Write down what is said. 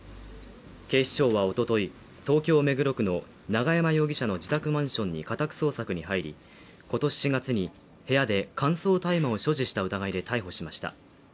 警視庁は一昨日、東京・目黒区の永山容疑者の自宅マンションに家宅捜索に入り今年４月に部屋で乾燥大麻を所持した疑いで逮捕しました。